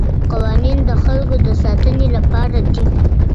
قوانین د خلګو د ساتنې لپاره دي.